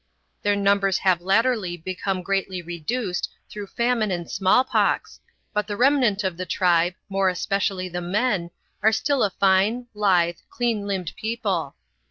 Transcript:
Their numbers have latterly become greatly reduced through famine and small pox, but the remnant of the tribe, more especially the men, are still a fine, lithe, clean limbed people.